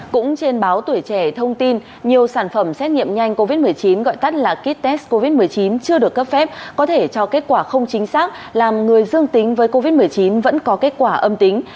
cũng trên báo tuổi trẻ thông tin nhiều sản phẩm xét nghiệm nhanh covid một mươi chín gọi tắt là kit test covid một mươi chín chưa được cấp phép có thể cho kết quả không chính xác làm người dương tính với covid một mươi chín vẫn có kết quả âm tính